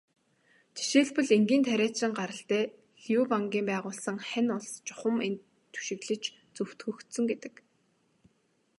Жишээлбэл, энгийн тариачин гаралтай Лю Бангийн байгуулсан Хань улс чухам энд түшиглэж зөвтгөгдсөн гэдэг.